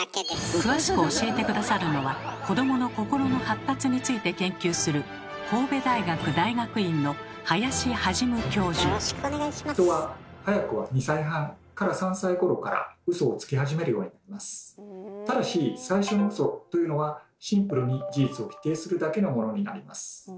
詳しく教えて下さるのは子どもの心の発達について研究するただし最初のウソというのはシンプルに事実を否定するだけのものになります。